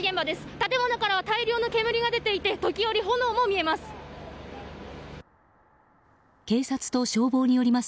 建物からは大量の煙が出ていて時折、炎も見えます。